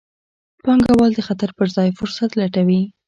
پانګوال د خطر پر ځای فرصت لټوي.